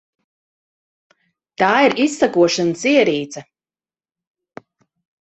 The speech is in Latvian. Tā ir izsekošanas ierīce.